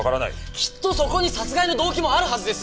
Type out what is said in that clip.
きっとそこに殺害の動機もあるはずです！